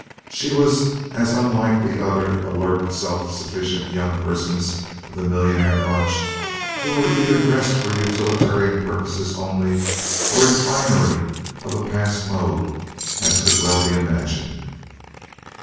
She was as unlike the other alert self sufficient young persons of the "millionaire bunch" who were either dressed for utilitarian purposes only, or in finery of a past mode as could well be imagined.